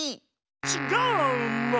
ちっがうの！